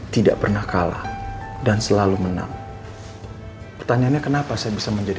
tidak pernah kalah dan selalu menang pertanyaannya kenapa saya bisa menjadi